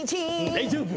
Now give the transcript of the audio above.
大丈夫。